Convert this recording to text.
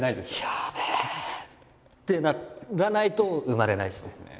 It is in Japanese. やべえってならないと生まれないですね。